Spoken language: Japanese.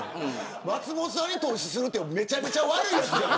松本さんに投資するってめちゃくちゃ悪いやつやん。